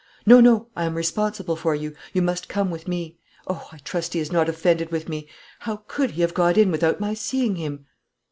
'No, no, I am responsible for you. You must come with me. Oh, I trust he is not offended with me! How could he have got in without my seeing him?'